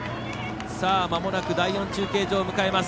まもなく第４中継所を迎えます。